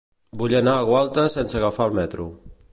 Vull anar a Gualta sense agafar el metro.